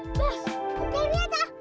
bos aku lihat ah